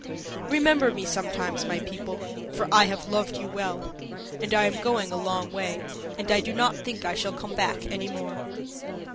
Remember me sometimes, my people, for I have loved you well. And I am going a long way, and I do not think I shall come back any more."